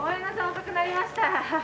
遅くなりました。